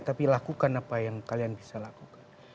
tapi lakukan apa yang kalian bisa lakukan